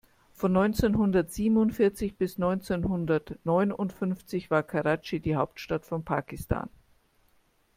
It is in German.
Von neunzehnhundertsiebenundvierzig bis neunzehnhundertneunundfünfzig war Karatschi die Hauptstadt von Pakistan.